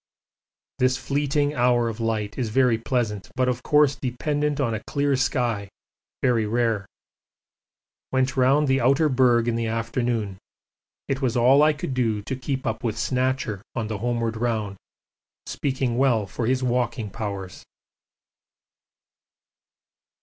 This fleeting hour of light is very pleasant, but of course dependent on a clear sky, very rare. Went round the outer berg in the afternoon; it was all I could do to keep up with 'Snatcher' on the homeward round speaking well for his walking powers.